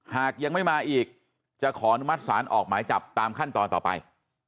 หากยังไม่มาอีกจะขออนุมัติศาลออกหมายจับตามขั้นตอนต่อไป